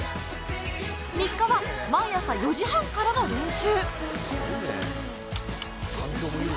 日課は、毎朝４時半からの練習。